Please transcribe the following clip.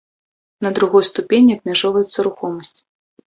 На другой ступені абмяжоўваецца рухомасць.